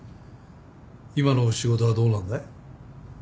今の仕事はどうなんだい？